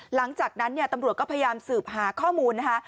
หลังจากนั้นเนี่ยตำรวจก็พยายามสืบหาข้อมูลนะคะ